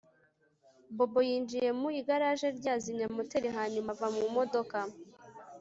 Bobo yinjiye mu igaraje rye azimya moteri hanyuma ava mu modoka